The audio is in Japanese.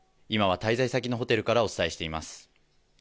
今は滞在先のホテルからお伝えしています。